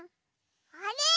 あれ？